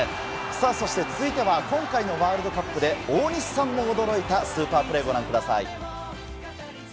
そして続いては今回のワールドカップで、大西さんも驚いたスーパープレー、ご覧ください。